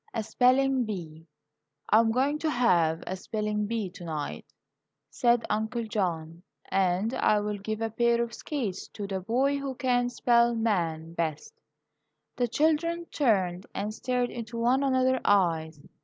A SPELLING BEE "I am going to have a spelling bee tonight," said Uncle John, "and I will give a pair of skates to the the boy who can spell man best." The children turned and stared into one another's eyes.